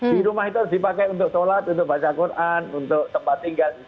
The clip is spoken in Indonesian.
di rumah itu harus dipakai untuk sholat untuk baca quran untuk tempat tinggal